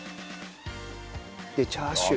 でチャーシュー。